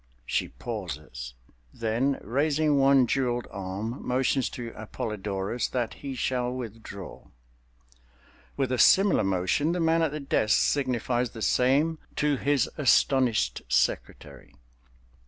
She pauses; then raising one jeweled arm motions to Appolidorus that he shall withdraw. With a similar motion, the man at the desk signifies the same to his astonished secretary.